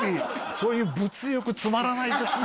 そういう物欲つまらないですね